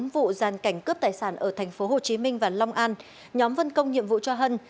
bốn vụ gian cảnh cướp tài sản ở tp hcm và long an nhóm phân công nhiệm vụ cho hân